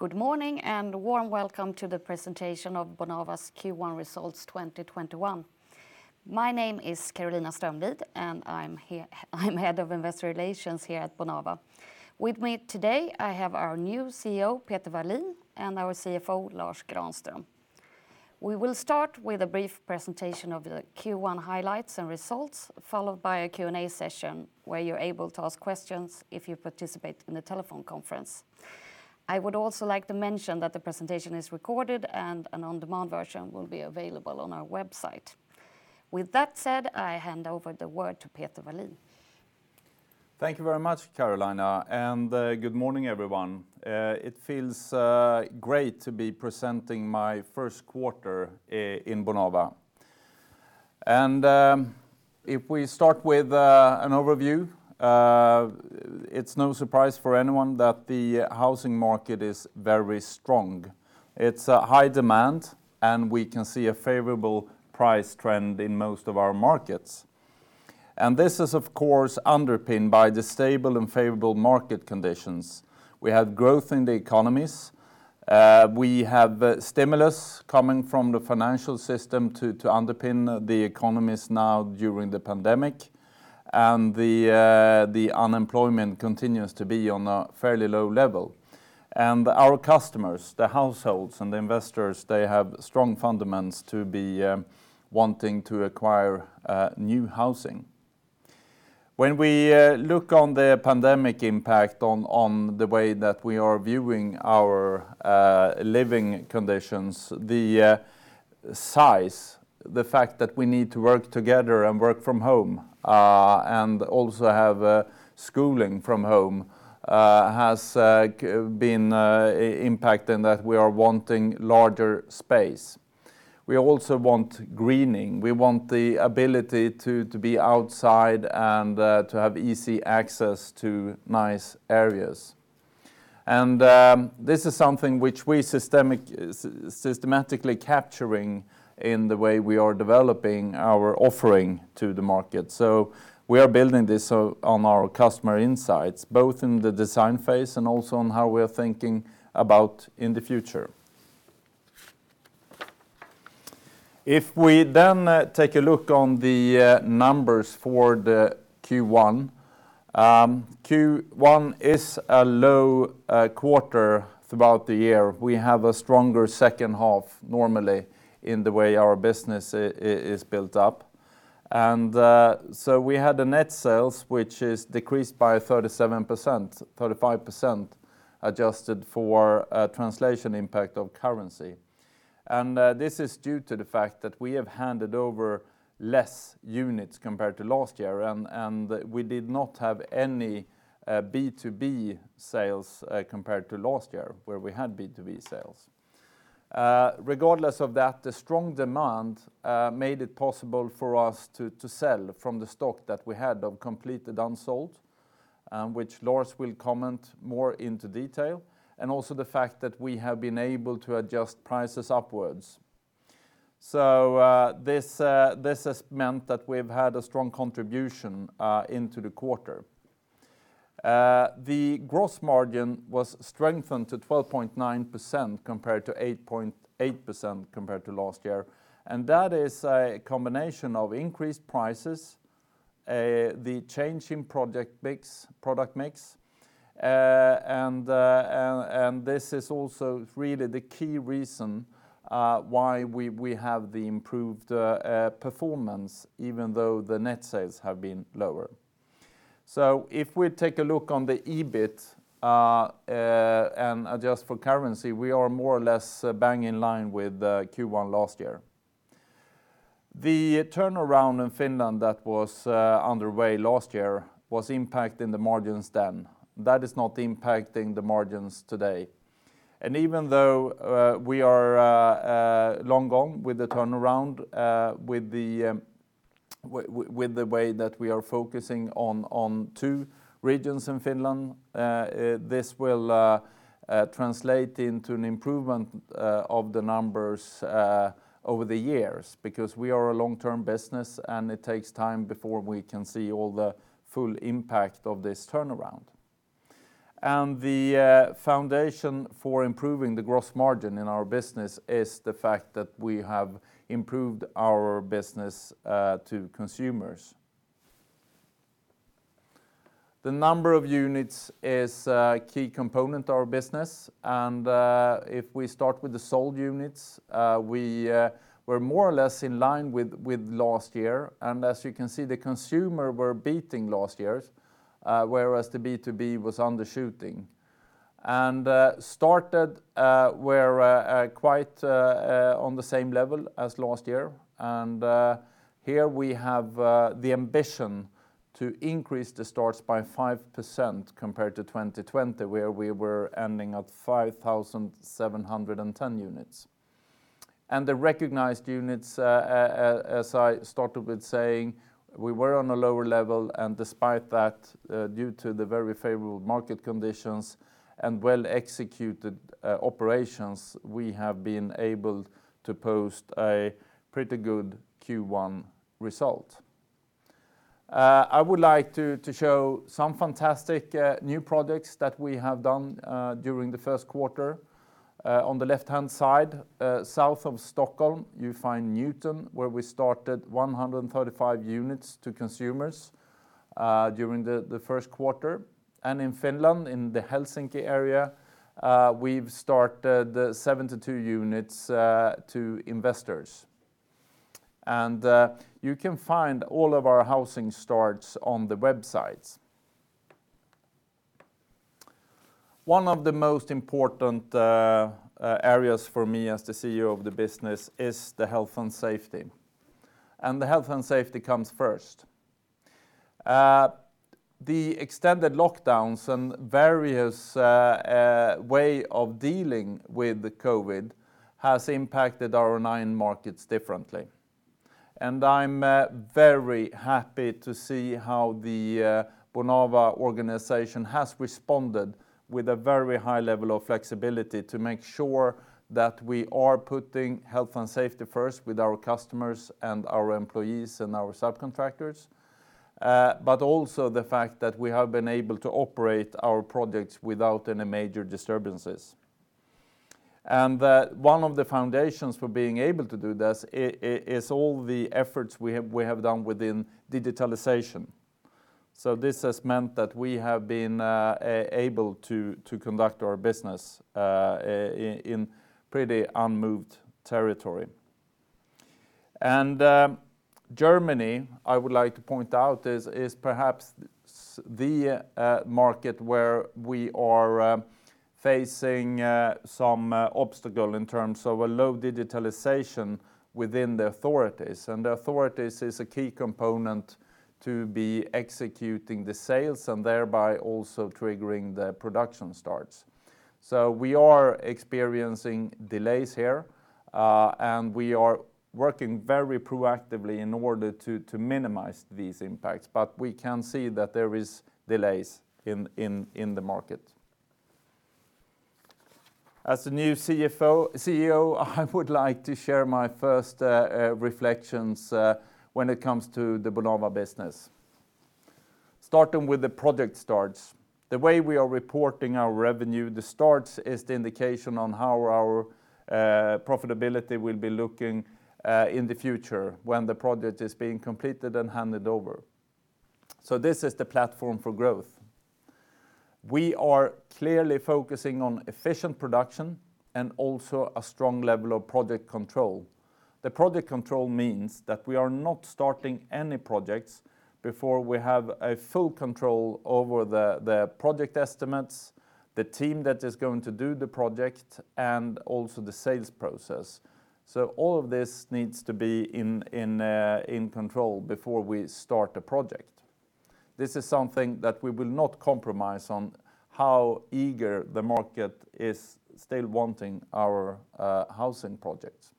Good morning and a warm welcome to the presentation of Bonava's Q1 results 2021. My name is Carolina Strömlid, and I'm Head of Investor Relations here at Bonava. With me today, I have our new CEO, Peter Wallin, and our CFO, Lars Granlöf. We will start with a brief presentation of the Q1 highlights and results, followed by a Q&A session where you're able to ask questions if you participate in the telephone conference. I would also like to mention that the presentation is recorded, and an on-demand version will be available on our website. With that said, I hand over the word to Peter Wallin. Thank you very much, Carolina. Good morning, everyone. It feels great to be presenting my first quarter in Bonava. If we start with an overview, it's no surprise for anyone that the housing market is very strong. It's high demand, and we can see a favorable price trend in most of our markets. This is, of course, underpinned by the stable and favorable market conditions. We have growth in the economies. We have stimulus coming from the financial system to underpin the economies now during the pandemic. The unemployment continues to be on a fairly low level. Our customers, the households, and the investors, they have strong fundamentals to be wanting to acquire new housing. When we look on the pandemic impact on the way that we are viewing our living conditions, the size, the fact that we need to work together and work from home, and also have schooling from home, has been impacting that we are wanting larger space. We also want greening. We want the ability to be outside and to have easy access to nice areas. This is something which we systematically capturing in the way we are developing our offering to the market. We are building this on our customer insights, both in the design phase and also on how we're thinking about in the future. If we take a look on the numbers for the Q1. Q1 is a low quarter throughout the year. We have a stronger second half normally in the way our business is built up. We had the net sales, which is decreased by 37%, 35% adjusted for translation impact of currency. This is due to the fact that we have handed over less units compared to last year, and we did not have any B2B sales compared to last year where we had B2B sales. Regardless of that, the strong demand made it possible for us to sell from the stock that we had of completed unsold, which Lars will comment more into detail. Also the fact that we have been able to adjust prices upwards. This has meant that we've had a strong contribution into the quarter. The gross margin was strengthened to 12.9% compared to 8.8% compared to last year. That is a combination of increased prices, the change in product mix. This is also really the key reason why we have the improved performance, even though the net sales have been lower. If we take a look on the EBIT and adjust for currency, we are more or less bang in line with Q1 last year. The turnaround in Finland that was underway last year was impacting the margins then. That is not impacting the margins today. Even though we are long gone with the turnaround with the way that we are focusing on two regions in Finland, this will translate into an improvement of the numbers over the years because we are a long-term business, and it takes time before we can see all the full impact of this turnaround. The foundation for improving the gross margin in our business is the fact that we have improved our business to consumers. The number of units is a key component to our business. If we start with the sold units, we're more or less in line with last year. As you can see, the consumer were beating last year's, whereas the B2B was undershooting. Started were quite on the same level as last year. Here we have the ambition to increase the starts by 5% compared to 2020, where we were ending at 5,710 units. The recognized units, as I started with saying, we were on a lower level. Despite that, due to the very favorable market conditions and well-executed operations, we have been able to post a pretty good Q1 result. I would like to show some fantastic new projects that we have done during the first quarter. On the left-hand side, south of Stockholm, you find Nytorp, where we started 135 units to consumers during the first quarter. In Finland, in the Helsinki area, we've started 72 units to investors. You can find all of our housing starts on the website. One of the most important areas for me as the CEO of the business is the health and safety. The health and safety comes first. The extended lockdowns and various way of dealing with the COVID has impacted our nine markets differently. I'm very happy to see how the Bonava organization has responded with a very high level of flexibility to make sure that we are putting health and safety first with our customers and our employees and our subcontractors, but also the fact that we have been able to operate our projects without any major disturbances. One of the foundations for being able to do this, is all the efforts we have done within digitalization. This has meant that we have been able to conduct our business in pretty unmoved territory. Germany, I would like to point out, is perhaps the market where we are facing some obstacle in terms of a low digitalization within the authorities. The authorities is a key component to be executing the sales and thereby also triggering the production starts. We are experiencing delays here, and we are working very proactively in order to minimize these impacts. We can see that there is delays in the market. As the new CEO, I would like to share my first reflections when it comes to the Bonava business. Starting with the project starts. The way we are reporting our revenue, the starts is the indication on how our profitability will be looking in the future when the project is being completed and handed over. This is the platform for growth. We are clearly focusing on efficient production and also a strong level of project control. The project control means that we are not starting any projects before we have a full control over the project estimates, the team that is going to do the project, and also the sales process. All of this needs to be in control before we start a project. This is something that we will not compromise on, how eager the market is still wanting our housing projects.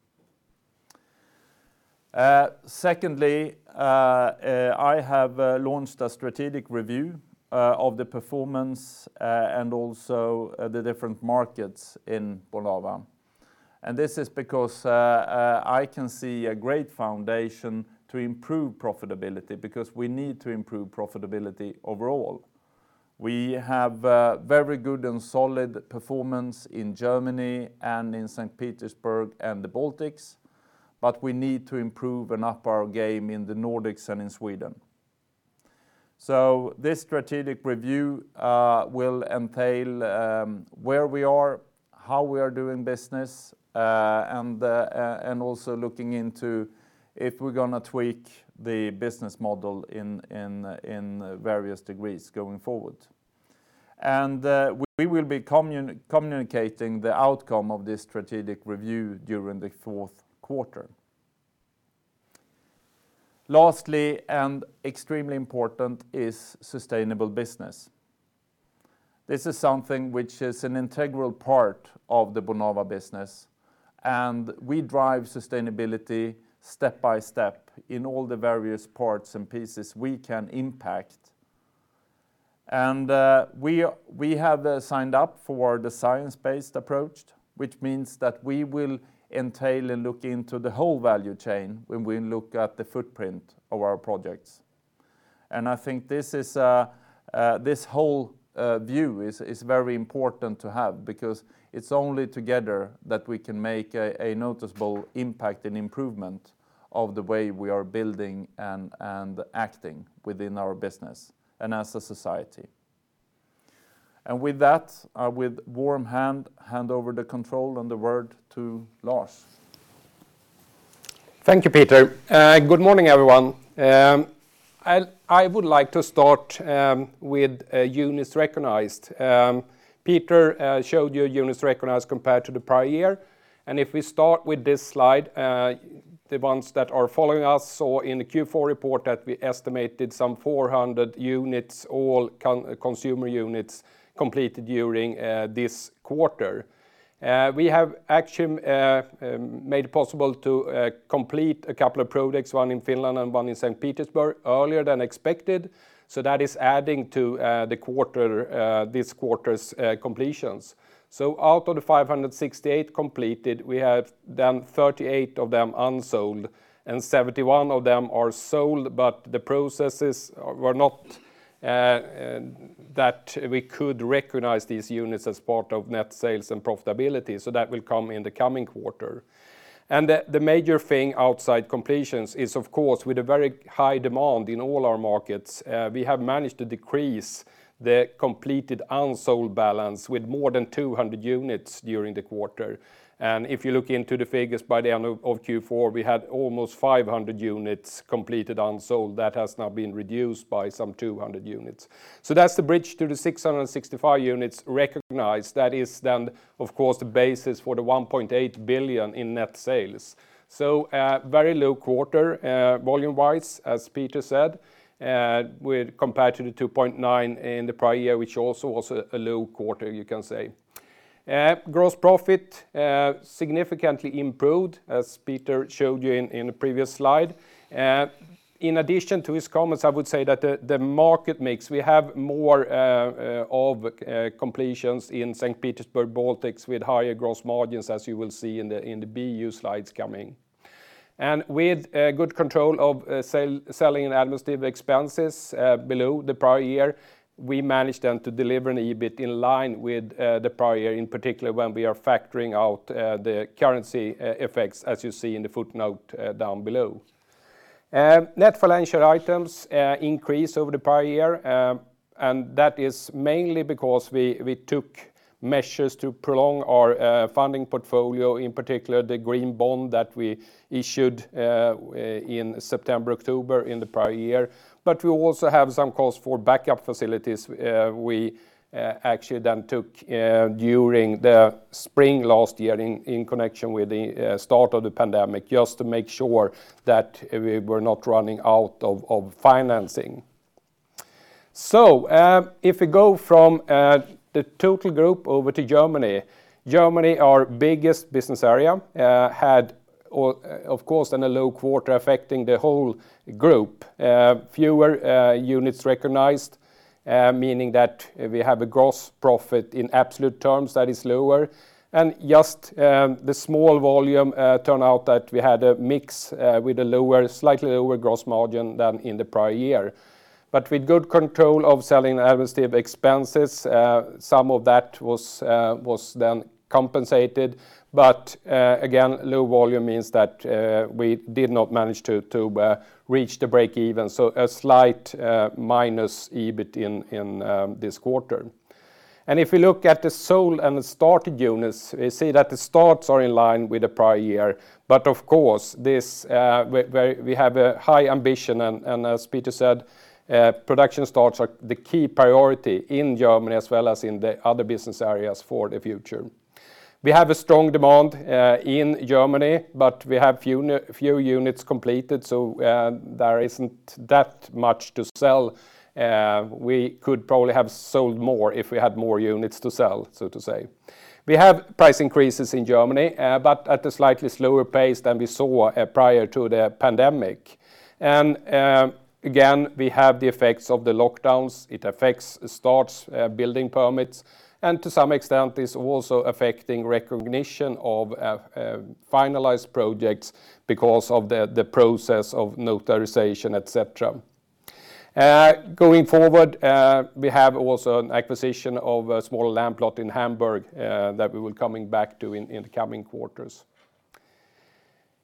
Secondly, I have launched a strategic review of the performance and also the different markets in Bonava. This is because I can see a great foundation to improve profitability because we need to improve profitability overall. We have very good and solid performance in Germany and in St. Petersburg and the Baltics, but we need to improve and up our game in the Nordics and in Sweden. This strategic review will entail where we are, how we are doing business, and also looking into if we're going to tweak the business model in various degrees going forward. We will be communicating the outcome of this strategic review during the fourth quarter. Lastly, extremely important, is sustainable business. This is something which is an integral part of the Bonava business, and we drive sustainability step by step in all the various parts and pieces we can impact. We have signed up for the science-based approach, which means that we will entail and look into the whole value chain when we look at the footprint of our projects. I think this whole view is very important to have because it's only together that we can make a noticeable impact and improvement of the way we are building and acting within our business and as a society. With that, I with warm hand over the control and the word to Lars. Thank you, Peter. Good morning, everyone. I would like to start with units recognized. Peter showed you units recognized compared to the prior year. If we start with this slide, the ones that are following us saw in the Q4 report that we estimated some 400 units, all consumer units, completed during this quarter. We have actually made it possible to complete a couple of projects, one in Finland and one in St. Petersburg, earlier than expected. That is adding to this quarter's completions. Out of the 568 completed, we have done 38 of them unsold, and 71 of them are sold, but the processes were not that we could recognize these units as part of net sales and profitability. That will come in the coming quarter. The major thing outside completions is of course, with a very high demand in all our markets, we have managed to decrease the completed unsold balance with more than 200 units during the quarter. If you look into the figures, by the end of Q4, we had almost 500 units completed unsold. That has now been reduced by some 200 units. That's the bridge to the 665 units recognized. That is then, of course, the basis for the 1.8 billion in net sales. A very low quarter volume-wise, as Peter said, compared to the 2.9 billion in the prior year, which also was a low quarter you can say. Gross profit significantly improved, as Peter showed you in the previous slide. In addition to his comments, I would say that the market mix, we have more of completions in St. Petersburg, Baltics with higher gross margins, as you will see in the BU slides coming. With good control of selling and administrative expenses below the prior year, we managed then to deliver an EBIT in line with the prior year, in particular when we are factoring out the currency effects as you see in the footnote down below. Net financial items increased over the prior year. That is mainly because we took measures to prolong our funding portfolio, in particular the green bond that we issued in September, October in the prior year. We also have some cost for backup facilities we actually then took during the spring last year in connection with the start of the pandemic, just to make sure that we were not running out of financing. If we go from the total group over to Germany. Germany, our biggest business area, had of course then a low quarter affecting the whole group. Fewer units recognized, meaning that we have a gross profit in absolute terms that is lower. Just the small volume turned out that we had a mix with a slightly lower gross margin than in the prior year. With good control of selling administrative expenses, some of that was then compensated. Again, low volume means that we did not manage to reach the break even. A slight minus EBIT in this quarter. If we look at the sold and started units, we see that the starts are in line with the prior year. Of course, we have a high ambition and as Peter said, production starts are the key priority in Germany as well as in the other business areas for the future. We have a strong demand in Germany, but we have fewer units completed, so there isn't that much to sell. We could probably have sold more if we had more units to sell, so to say. We have price increases in Germany, but at a slightly slower pace than we saw prior to the pandemic. Again, we have the effects of the lockdowns. It affects starts, building permits, and to some extent, is also affecting recognition of finalized projects because of the process of notarization, et cetera. Going forward, we have also an acquisition of a small land plot in Hamburg that we will be coming back to in the coming quarters.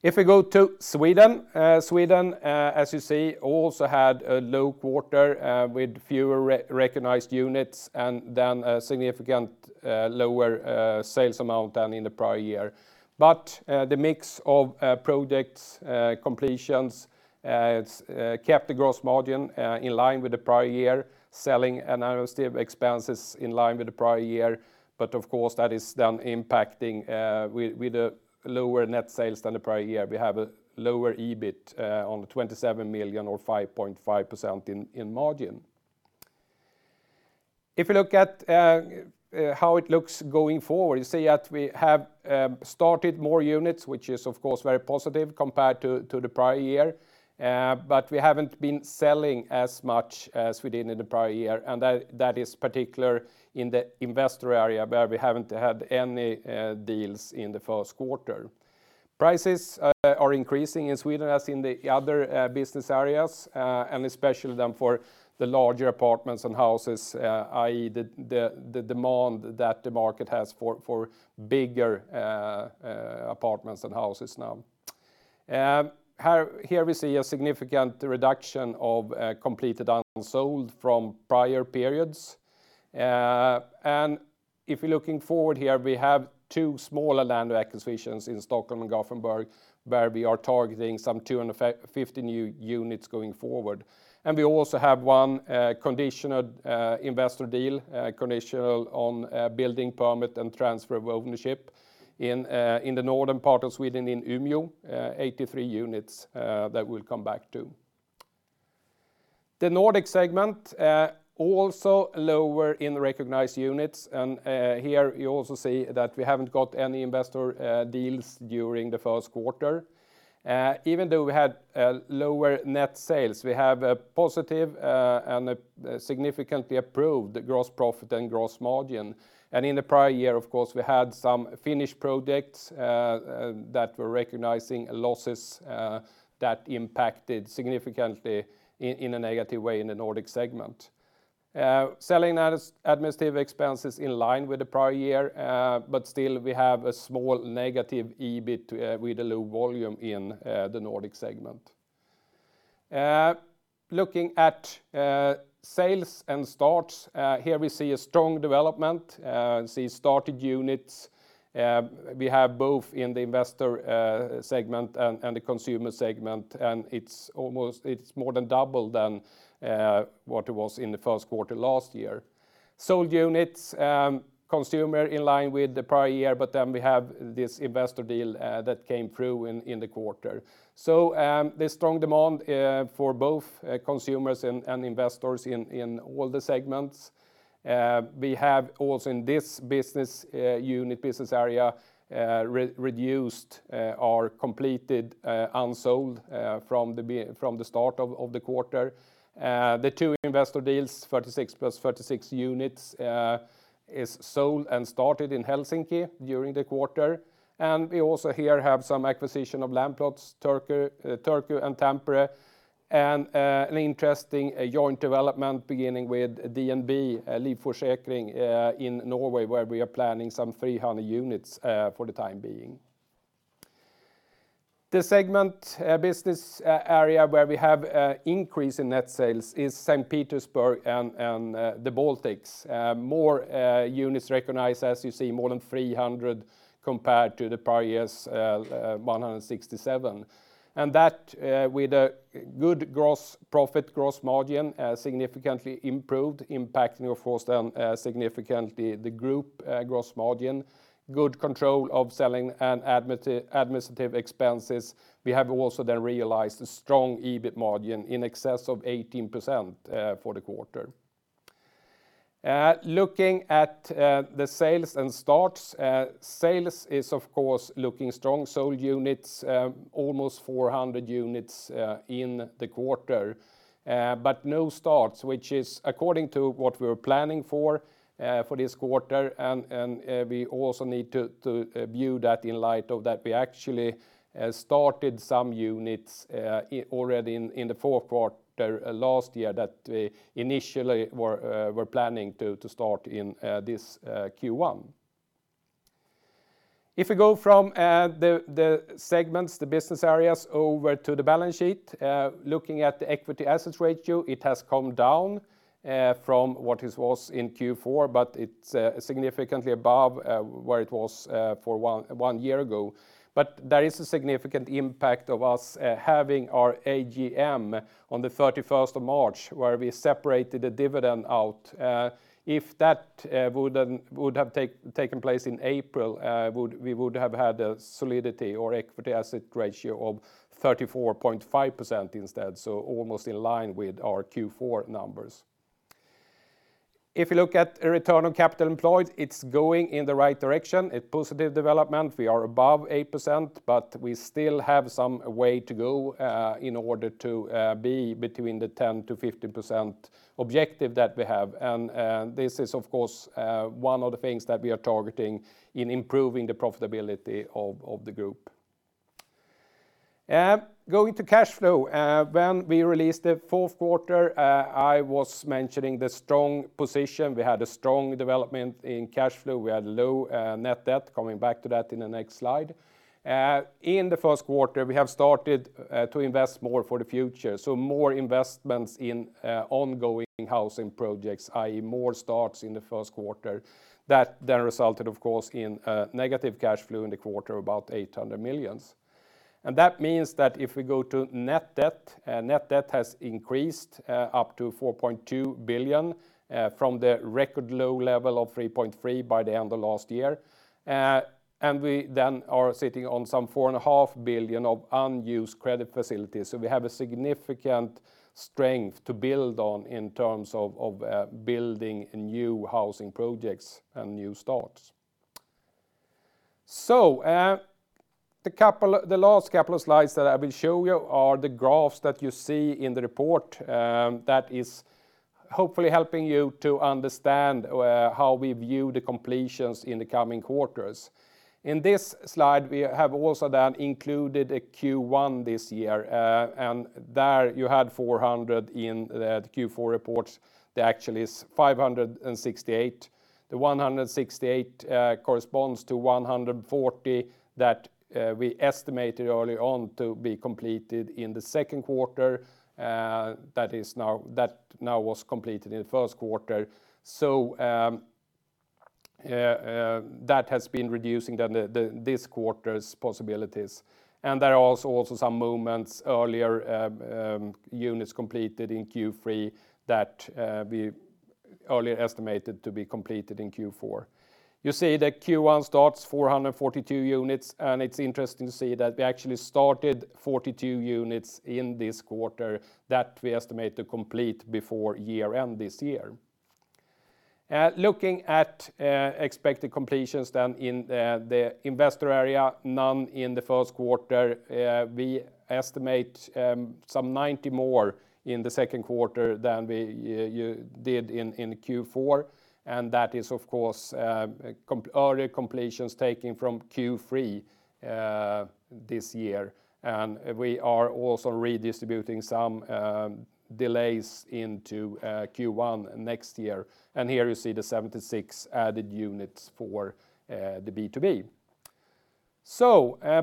If we go to Sweden, as you see, also had a low quarter with fewer recognized units and then a significantly lower sales amount than in the prior year. The mix of projects' completions kept the gross margin in line with the prior year. Selling and administrative expenses in line with the prior year. Of course, that is then impacting with a lower net sales than the prior year. We have a lower EBIT on 27 million or 5.5% in margin. If we look at how it looks going forward, you see that we have started more units, which is of course very positive compared to the prior year. We haven't been selling as much as we did in the prior year, and that is particular in the investor area where we haven't had any deals in the first quarter. Prices are increasing in Sweden, as in the other business areas. Especially then for the larger apartments and houses, i.e., the demand that the market has for bigger apartments and houses now. Here we see a significant reduction of completed unsold from prior periods. If you're looking forward here, we have two smaller land acquisitions in Stockholm and Gothenburg, where we are targeting some 250 new units going forward. We also have one conditional investor deal, conditional on building permit and transfer of ownership in the northern part of Sweden in Umeå, 83 units that we'll come back to. The Nordic segment, also lower in recognized units. Here you also see that we haven't got any investor deals during the first quarter. Even though we had lower net sales, we have a positive and a significantly improved gross profit and gross margin. In the prior year, of course, we had some Finnish projects that were recognizing losses that impacted significantly in a negative way in the Nordic segment. Selling administrative expenses in line with the prior year, but still we have a small negative EBIT with the low volume in the Nordic segment. Looking at sales and starts. Here we see a strong development. See started units we have both in the investor segment and the consumer segment, and it's more than double than what it was in the first quarter last year. Sold units, consumer in line with the prior year, but then we have this investor deal that came through in the quarter. The strong demand for both consumers and investors in all the segments. We have also in this business unit, business area, reduced our completed unsold from the start of the quarter. The two investor deals, 36+36 units, is sold and started in Helsinki during the quarter. And we also here have some acquisition of land plots, Turku and Tampere, and an interesting joint development beginning with DNB Livsforsikring in Norway, where we are planning some 300 units for the time being. The segment business area where we have increase in net sales is Saint Petersburg and the Baltics. More units recognized, as you see, more than 300 compared to the prior year's 167. And that with a good gross profit, gross margin, significantly improved, impacting, of course, then significantly the group gross margin. Good control of selling and administrative expenses. We have also realized a strong EBIT margin in excess of 18% for the quarter. Looking at the sales and starts. Sales is, of course, looking strong. Sold units, almost 400 units in the quarter. No starts, which is according to what we were planning for this quarter. We also need to view that in light of that we actually started some units already in the fourth quarter last year that we initially were planning to start in this Q1. If we go from the segments, the business areas, over to the balance sheet. Looking at the equity-to-assets ratio, it has come down from what it was in Q4, but it's significantly above where it was for one year ago. There is a significant impact of us having our AGM on the 31st of March, where we separated the dividend out. If that would have taken place in April, we would have had a solidity or equity-to-assets ratio of 34.5% instead, so almost in line with our Q4 numbers. If you look at return on capital employed, it's going in the right direction. A positive development. We are above 8%, we still have some way to go in order to be between the 10%-15% objective that we have. This is, of course, one of the things that we are targeting in improving the profitability of the group. Going to cash flow. When we released the fourth quarter, I was mentioning the strong position. We had a strong development in cash flow. We had low net debt, coming back to that in the next slide. In the first quarter, we have started to invest more for the future, more investments in ongoing housing projects, i.e. More starts in the first quarter. Resulted, of course, in negative cash flow in the quarter, about 800 million. If we go to net debt, net debt has increased up to 4.2 billion from the record low level of 3.3 billion by the end of last year. We are sitting on some 4.5 billion of unused credit facilities. We have a significant strength to build on in terms of building new housing projects and new starts. The last couple of slides that I will show you are the graphs that you see in the report that is hopefully helping you to understand how we view the completions in the coming quarters. In this slide, we have also then included a Q1 this year, you had 400 in the Q4 report. There actually is 568. The 168 corresponds to 140 that we estimated early on to be completed in the second quarter. That now was completed in the first quarter. Yeah. That has been reducing this quarter's possibilities. There are also some movements earlier, units completed in Q3 that we earlier estimated to be completed in Q4. You see that Q1 starts 442 units, and it's interesting to see that we actually started 42 units in this quarter that we estimate to complete before year-end this year. Looking at expected completions in the investor area, none in the first quarter. We estimate some 90 more in the second quarter than we did in Q4. That is, of course, earlier completions taking from Q3 this year. We are also redistributing some delays into Q1 next year. Here you see the 76 added units for the B2B.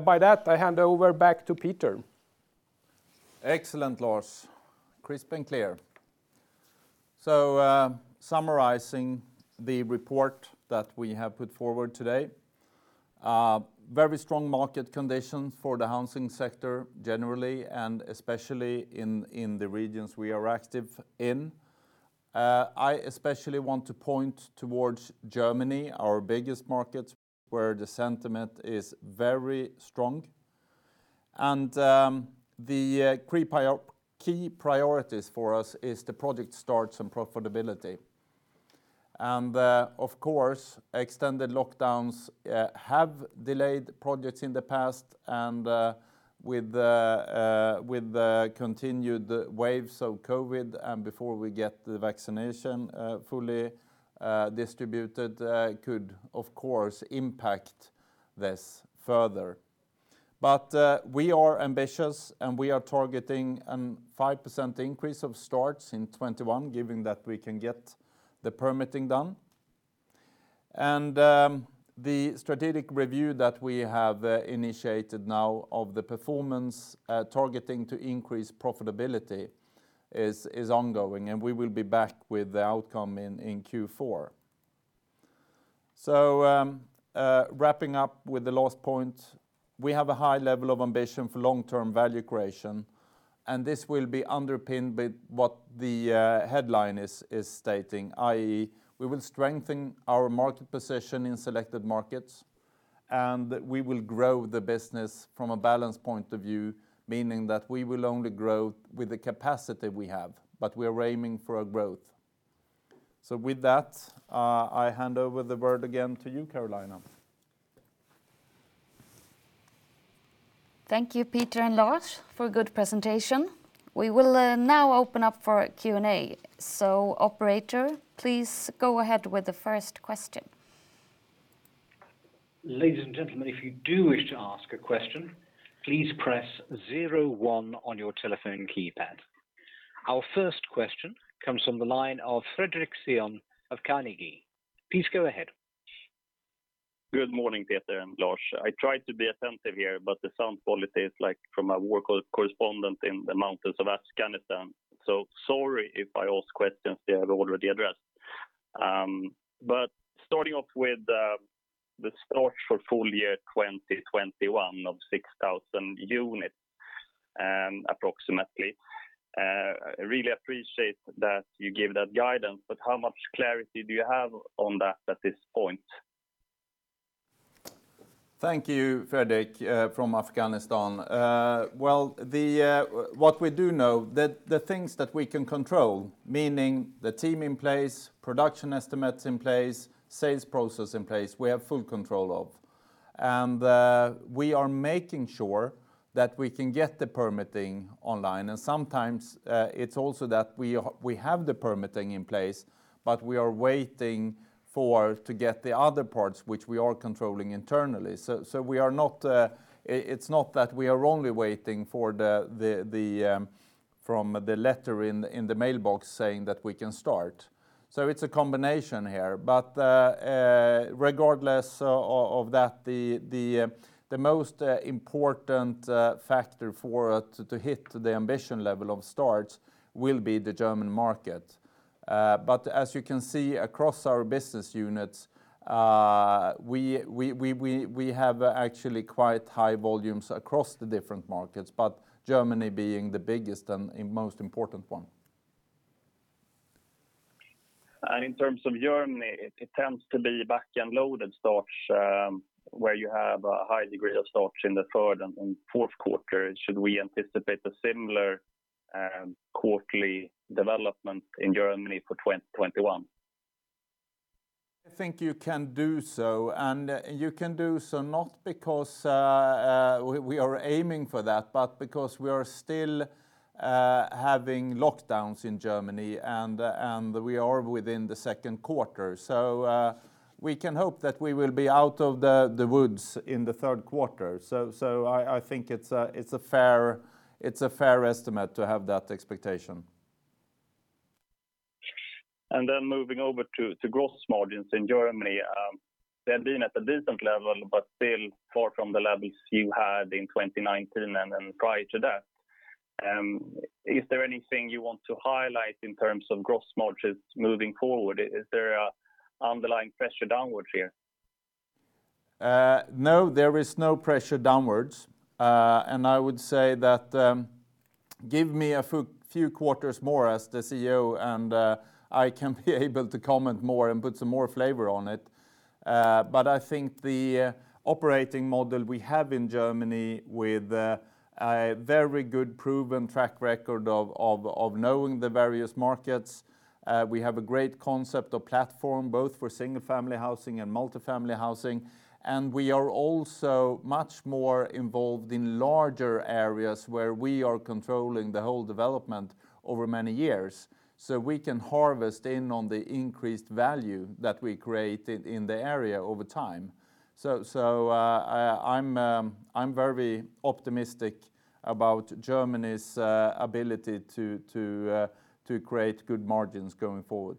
By that, I hand over back to Peter. Excellent, Lars. Crisp and clear. Summarizing the report that we have put forward today. Very strong market conditions for the housing sector generally, and especially in the regions we are active in. I especially want to point towards Germany, our biggest market, where the sentiment is very strong. The key priorities for us is the project starts and profitability. Of course, extended lockdowns have delayed projects in the past and with the continued waves of COVID and before we get the vaccination fully distributed could, of course, impact this further. We are ambitious, and we are targeting a 5% increase of starts in 2021, given that we can get the permitting done. The strategic review that we have initiated now of the performance targeting to increase profitability is ongoing, and we will be back with the outcome in Q4. Wrapping up with the last point. We have a high level of ambition for long-term value creation, and this will be underpinned with what the headline is stating, i.e., we will strengthen our market position in selected markets, and we will grow the business from a balanced point of view. Meaning that we will only grow with the capacity we have, but we are aiming for a growth. With that, I hand over the word again to you, Carolina. Thank you, Peter and Lars, for a good presentation. We will now open up for Q&A. Operator, please go ahead with the first question. Ladies and gentlemen, if you do wish to ask a question, please press zero one on your telephone keypad. Our first question comes from the line of Fredric Cyon of Carnegie. Please go ahead. Good morning, Peter and Lars. I tried to be attentive here, but the sound quality is like from a war correspondent in the mountains of Afghanistan. Sorry if I ask questions that you have already addressed. Starting off with the start for full year 2021 of 6,000 units approximately. Really appreciate that you gave that guidance, but how much clarity do you have on that at this point? Thank you, Fredric from Afghanistan. Well, what we do know, the things that we can control, meaning the team in place, production estimates in place, sales process in place, we have full control of. We are making sure that we can get the permitting online. Sometimes it's also that we have the permitting in place, but we are waiting for to get the other parts, which we are controlling internally. It's not that we are only waiting from the letter in the mailbox saying that we can start. It's a combination here. Regardless of that, the most important factor for us to hit the ambition level of starts will be the German market. As you can see across our business units, we have actually quite high volumes across the different markets, but Germany being the biggest and most important one. In terms of Germany, it tends to be back-end loaded starts, where you have a high degree of starts in the third and fourth quarter. Should we anticipate a similar quarterly development in Germany for 2021? I think you can do so, and you can do so not because we are aiming for that, but because we are still having lockdowns in Germany, and we are within the second quarter. We can hope that we will be out of the woods in the third quarter. I think it's a fair estimate to have that expectation. Moving over to gross margins in Germany. They have been at a decent level, but still far from the levels you had in 2019 prior to that. Is there anything you want to highlight in terms of gross margins moving forward? Is there underlying pressure downwards here? No, there is no pressure downwards. I would say that, give me a few quarters more as the CEO and I can be able to comment more and put some more flavor on it. I think the operating model we have in Germany with a very good proven track record of knowing the various markets. We have a great concept of platform, both for single-family housing and multifamily housing, and we are also much more involved in larger areas where we are controlling the whole development over many years, so we can harvest in on the increased value that we created in the area over time. I'm very optimistic about Germany's ability to create good margins going forward.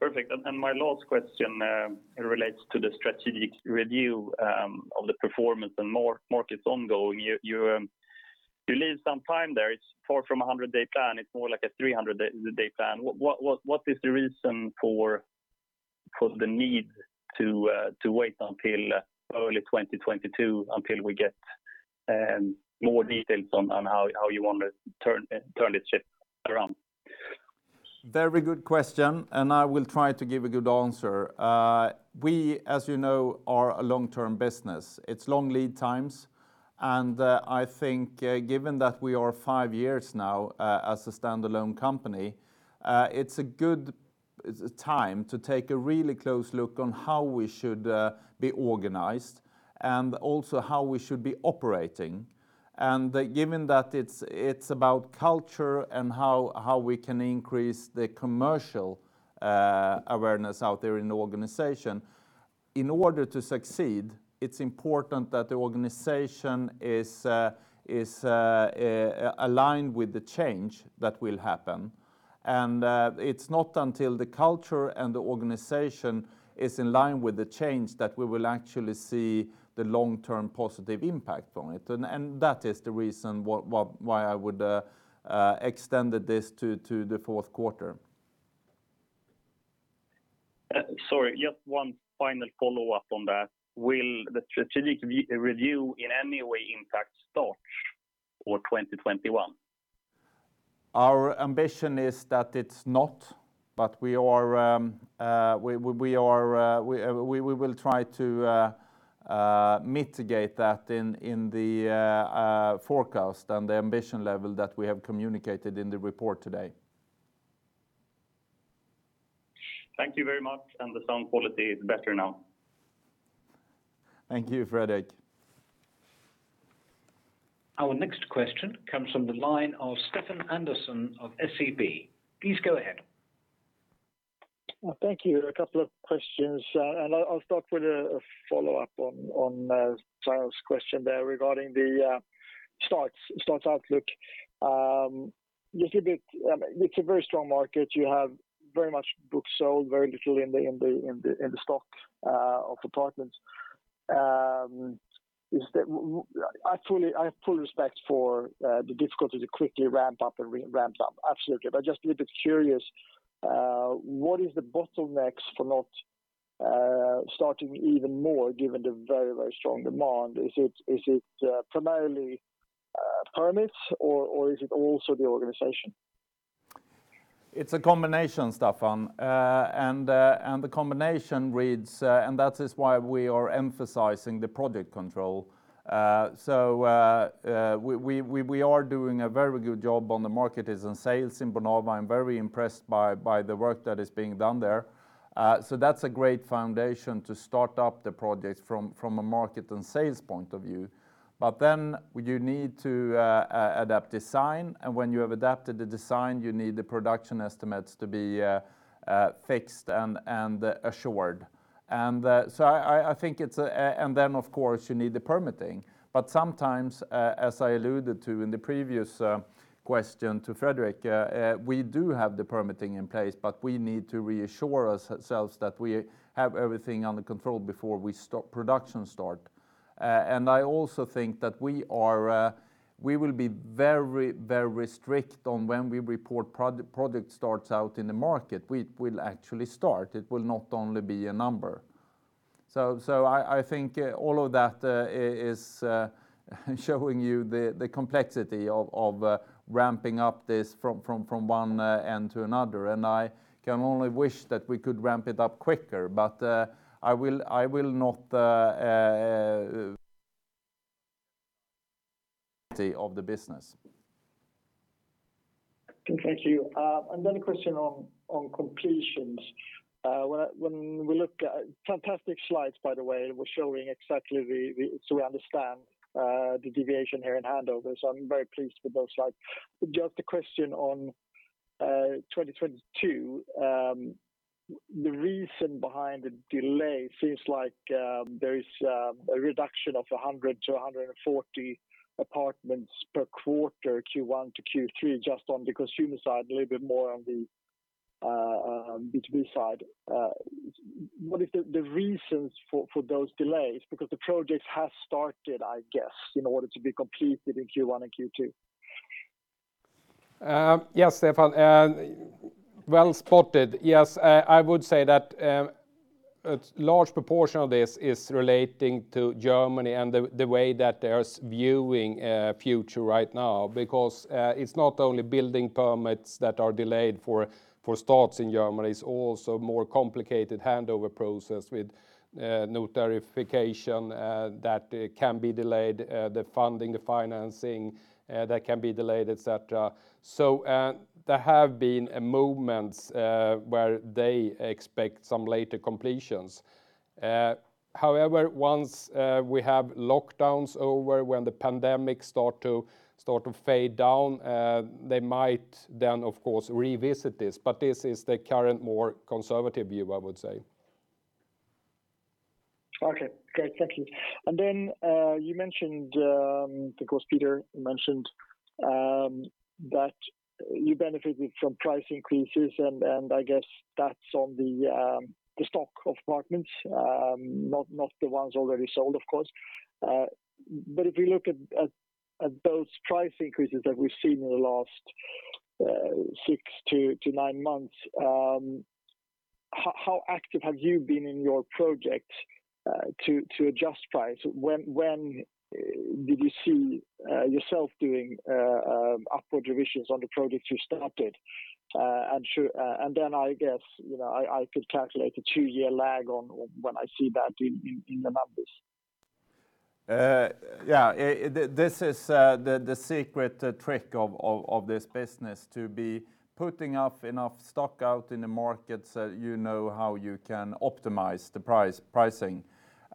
Perfect. My last question relates to the strategic review of the performance and markets ongoing. You leave some time there. It's far from 100-day plan. It's more like a 300-day plan. What is the reason for the need to wait until early 2022 until we get more details on how you want to turn this ship around? Very good question, and I will try to give a good answer. We, as you know, are a long-term business. It's long lead times, and I think given that we are five years now as a standalone company, it's a good time to take a really close look on how we should be organized and also how we should be operating. Given that it's about culture and how we can increase the commercial awareness out there in the organization. In order to succeed, it's important that the organization is aligned with the change that will happen. It's not until the culture and the organization is in line with the change that we will actually see the long-term positive impact on it. That is the reason why I would extend this to the fourth quarter. Sorry, just one final follow-up on that. Will the strategic review in any way impact stock for 2021? Our ambition is that it's not, but we will try to mitigate that in the forecast and the ambition level that we have communicated in the report today. Thank you very much, and the sound quality is better now. Thank you, Fredric. Our next question comes from the line of Stefan Andersson of SEB. Please go ahead. Thank you. A couple of questions. I'll start with a follow-up on Fredric's question there regarding the starts outlook. It's a very strong market. You have very much books sold, very little in the stock of apartments. I have full respect for the difficulty to quickly ramp up and ramped up. Absolutely. Just a little bit curious, what is the bottlenecks for not starting even more given the very, very strong demand? Is it primarily permits or is it also the organization? It's a combination, Stefan. The combination reads, and that is why we are emphasizing the project control. We are doing a very good job on the market and sales in Bonava. I'm very impressed by the work that is being done there. That's a great foundation to start up the project from a market and sales point of view. Then you need to adapt design, and when you have adapted the design, you need the production estimates to be fixed and assured. Then, of course, you need the permitting. Sometimes, as I alluded to in the previous question to Fredric, we do have the permitting in place, but we need to reassure ourselves that we have everything under control before production start. I also think that we will be very, very strict on when we report project starts out in the market. We will actually start. It will not only be a number. I think all of that is showing you the complexity of ramping up this from one end to another, and I can only wish that we could ramp it up quicker. I will not of the business. Thank you. A question on completions. Fantastic slides, by the way. It was showing exactly so we understand the deviation here in handover. I'm very pleased with those slides. Just a question on 2022. The reason behind the delay seems like there is a reduction of 100-140 apartments per quarter, Q1 to Q3, just on the consumer side, a little bit more on the B2B side. What is the reasons for those delays? The project has started, I guess, in order to be completed in Q1 and Q2. Yes, Stefan. Well spotted. Yes, I would say that a large proportion of this is relating to Germany and the way that they're viewing future right now. Because it's not only building permits that are delayed for starts in Germany, it's also more complicated handover process with notarization that can be delayed, the funding, the financing that can be delayed, et cetera. There have been movements where they expect some later completions. However, once we have lockdowns over, when the pandemic start to fade down, they might then of course revisit this. This is the current, more conservative view, I would say. Okay, great. Thank you. Then you mentioned, of course, Peter mentioned that you benefited from price increases and I guess that's on the stock of apartments, not the ones already sold, of course. If you look at those price increases that we've seen in the last six to nine months, how active have you been in your project to adjust price? When did you see yourself doing upward revisions on the projects you started? Then I guess I could calculate a two-year lag on when I see that in the numbers. This is the secret trick of this business to be putting up enough stock out in the markets that you know how you can optimize the pricing.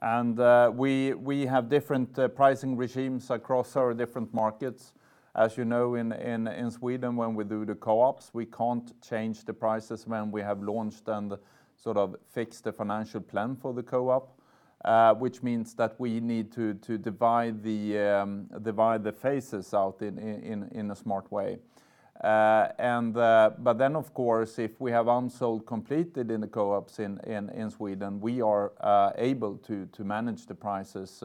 We have different pricing regimes across our different markets. As you know in Sweden, when we do the co-ops, we can't change the prices when we have launched and sort of fixed the financial plan for the co-op, which means that we need to divide the phases out in a smart way. Of course, if we have unsold completed in the co-ops in Sweden, we are able to manage the prices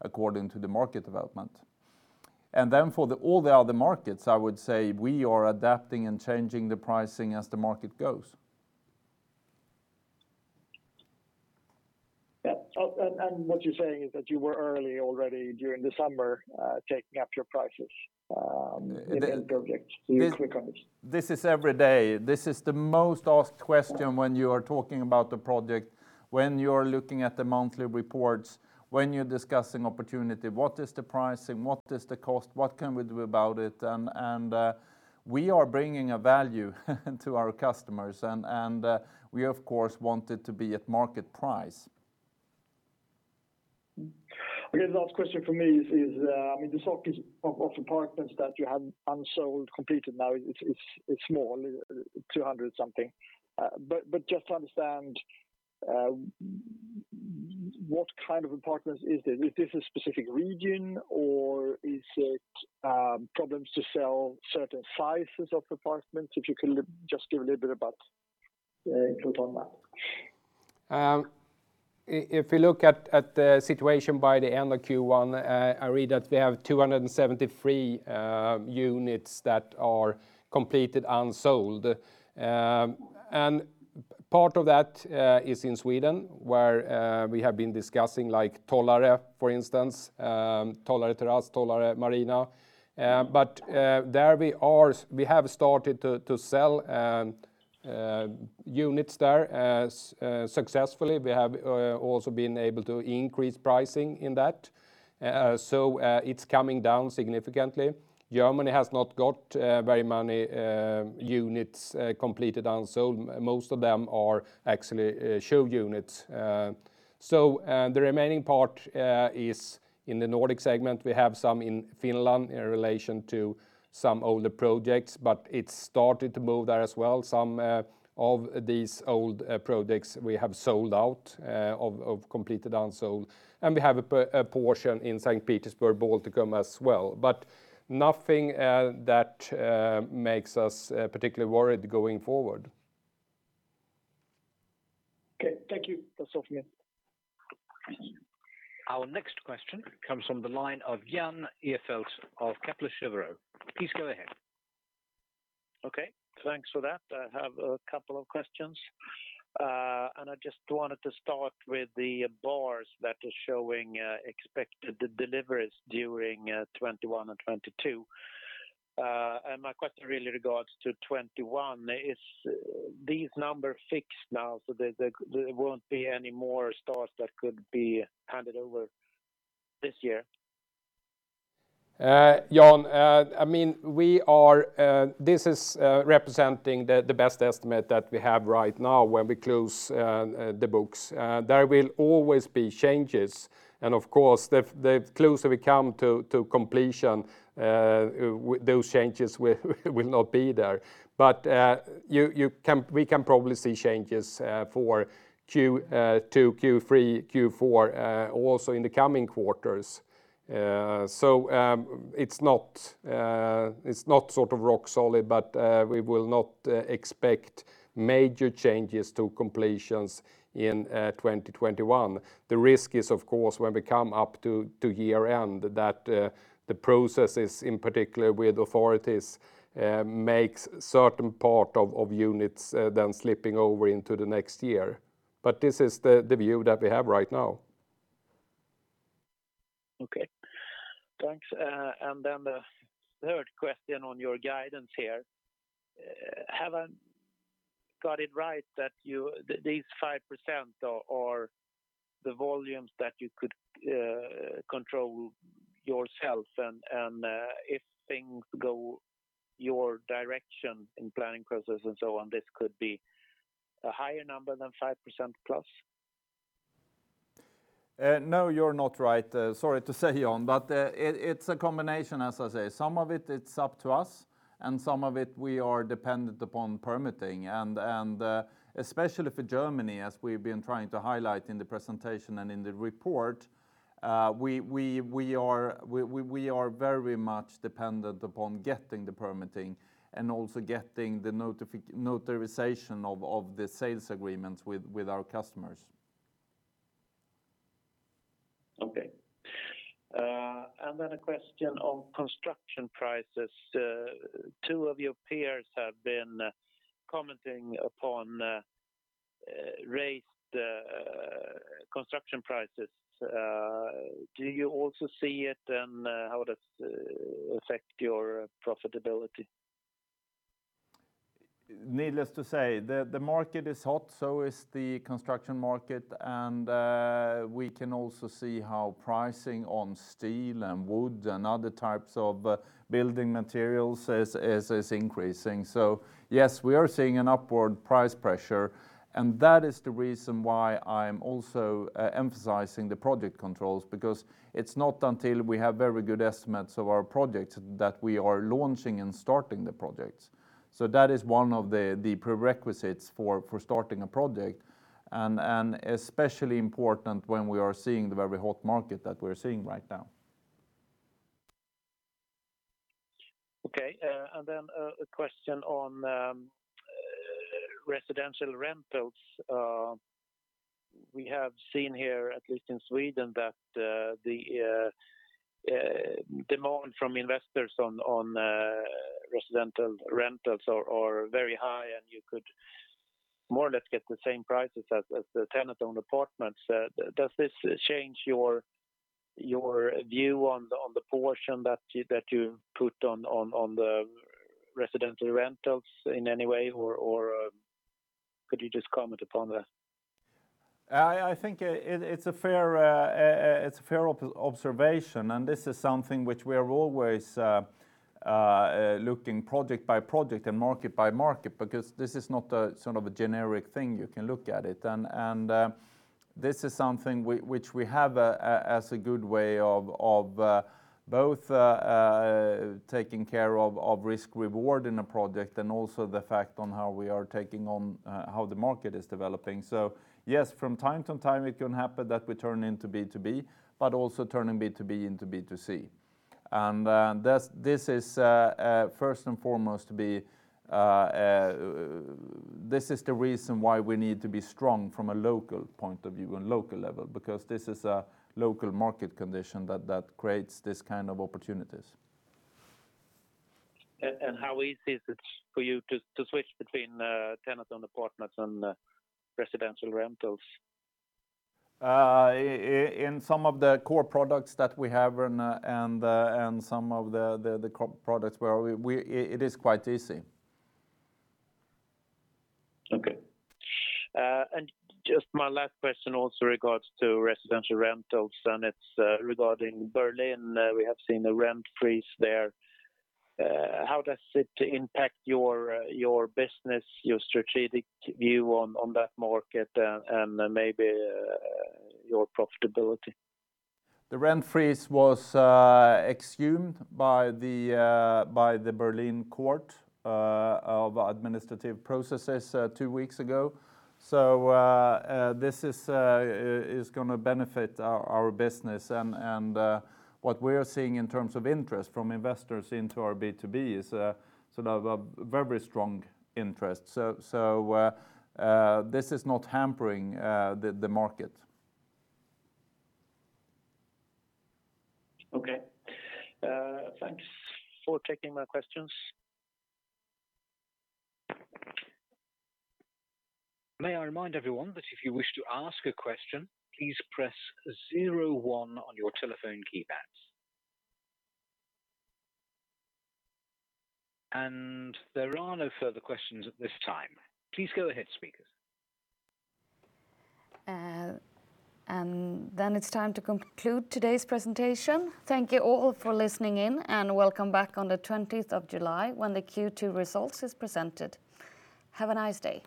according to the market development. For all the other markets, I would say we are adapting and changing the pricing as the market goes. Yeah. What you're saying is that you were early already during the summer, taking up your prices in the end project. You're quick on it. This is every day. This is the most asked question when you are talking about the project, when you are looking at the monthly reports, when you are discussing opportunity. What is the pricing? What is the cost? What can we do about it? We are bringing a value to our customers. We, of course, want it to be at market price. Okay. The last question for me is, the stock of apartments that you have unsold completed now it's small, 200 something. Just to understand, what kind of apartments is this? Is this a specific region or is it problems to sell certain sizes of apartments? If you could just give a little bit about input on that. If you look at the situation by the end of Q1, I read that we have 273 units that are completed unsold. Part of that is in Sweden where we have been discussing Tollare, for instance, Tollare Terrass, Tollare Marina. There we have started to sell units there successfully. We have also been able to increase pricing in that. It's coming down significantly. Germany has not got very many units completed unsold. Most of them are actually show units. The remaining part is in the Nordic segment. We have some in Finland in relation to some older projects, but it's started to move there as well. Some of these old projects we have sold out of completed unsold, and we have a portion in Saint Petersburg, Baltikum as well. Nothing that makes us particularly worried going forward. Okay. Thank you. That's all for me. Our next question comes from the line of Jan Ihrfelt of Kepler Cheuvreux. Please go ahead. Okay. Thanks for that. I have a couple of questions. I just wanted to start with the bars that are showing expected deliveries during 2021 and 2022. My question really regards to 2021. Is these numbers fixed now so there won't be any more stocks that could be handed over this year? Jan, this is representing the best estimate that we have right now when we close the books. There will always be changes, and of course, the closer we come to completion those changes will not be there. We can probably see changes for Q2, Q3, Q4, also in the coming quarters. It's not rock solid, but we will not expect major changes to completions in 2021. The risk is, of course, when we come up to year-end that the processes in particular with authorities makes certain part of units then slipping over into the next year. This is the view that we have right now. Okay, thanks. The third question on your guidance here. Have I got it right that these 5% are the volumes that you could control yourself, and if things go your direction in planning process and so on, this could be a higher number than 5%+? No, you're not right. Sorry to say, Jan, but it's a combination, as I say. Some of it's up to us, and some of it we are dependent upon permitting. Especially for Germany, as we've been trying to highlight in the presentation and in the report, we are very much dependent upon getting the permitting and also getting the notarization of the sales agreements with our customers. Okay. A question on construction prices. Two of your peers have been commenting upon raised construction prices. Do you also see it? How does it affect your profitability? Needless to say, the market is hot, so is the construction market. We can also see how pricing on steel and wood and other types of building materials is increasing. Yes, we are seeing an upward price pressure, and that is the reason why I'm also emphasizing the project controls because it's not until we have very good estimates of our projects that we are launching and starting the projects. That is one of the prerequisites for starting a project, and especially important when we are seeing the very hot market that we're seeing right now. Okay. A question on residential rentals. We have seen here, at least in Sweden, that the demand from investors on residential rentals are very high, and you could more or less get the same prices as the tenant-owned apartments. Does this change your view on the portion that you put on the residential rentals in any way? Or could you just comment upon that? I think it's a fair observation, this is something which we are always looking project by project and market by market because this is not a sort of a generic thing you can look at it. This is something which we have as a good way of both taking care of risk/reward in a project and also the fact on how we are taking on how the market is developing. Yes, from time to time it can happen that we turn into B2B, but also turning B2B into B2C. This is first and foremost the reason why we need to be strong from a local point of view, on local level, because this is a local market condition that creates this kind of opportunities. How easy is it for you to switch between tenant-owned apartments and residential rentals? In some of the core products that we have and some of the core products where it is quite easy. Okay. Just my last question also regards to residential rentals, and it's regarding Berlin. We have seen a rent freeze there. How does it impact your business, your strategic view on that market, and maybe your profitability? The rent freeze was exhumed by the Berlin court of administrative processes two weeks ago. This is going to benefit our business. What we are seeing in terms of interest from investors into our B2B is sort of a very strong interest. This is not hampering the market. Okay. Thanks for taking my questions. May I remind everyone that if you wish to ask a question, please press zero-one on your telephone keypads. There are no further questions at this time. Please go ahead, speakers. It's time to conclude today's presentation. Thank you all for listening in, and welcome back on the 20th of July, when the Q2 results is presented. Have a nice day.